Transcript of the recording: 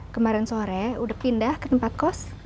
kemarin sore udah pindah ke tempat kos